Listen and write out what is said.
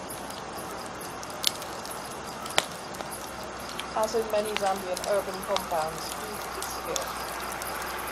As in many Zambian Urban Compounds, food is scarce.